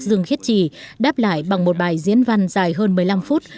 dương khiết trì đáp lại bằng một bài diễn văn dài hơn một mươi năm phút